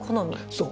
そう。